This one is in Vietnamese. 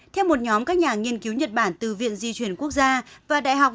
theo một nhóm các nhà nghiên cứu nhật bản từ viện di chuyển quốc gia và đại học